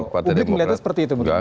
publik melihatnya seperti itu